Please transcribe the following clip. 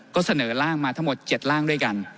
ก็เสนอร่างมาทั้งหมด๗ร่างด้วยกัน